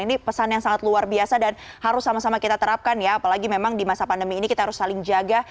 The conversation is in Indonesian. ini pesan yang sangat luar biasa dan harus sama sama kita terapkan ya apalagi memang di masa pandemi ini kita harus saling jaga